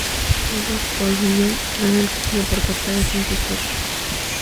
Toyo Kogyo gana el título por cuarta vez en su historia.